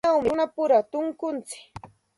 Kaynawmi runapura tunkuntsik.